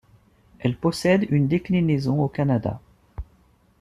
Elle possède une déclinaison au Canada.